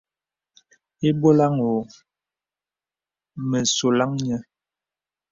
Ìbɔlàŋ ɔ̄ɔ̄ mə sɔlaŋ nyɛ.